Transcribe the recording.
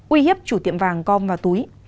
uy hiếp chủ tiệm vàng gom vào túi